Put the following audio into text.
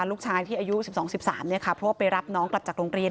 ลูกชายที่อายุ๑๒๑๓เพราะว่าไปรับน้องกลับจากโรงเรียน